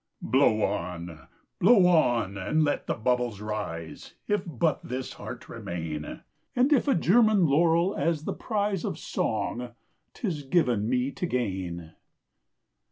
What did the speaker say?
Blow on! blow on! and let the bubbles rise, If but this heart remain! And if a German laurel as the prize Of song, 'tis given me to gain!